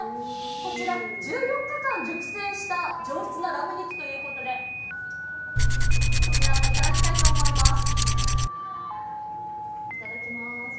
こちら、１４日間熟成した上質なラム肉ということで、こちらもいただきたいと思います。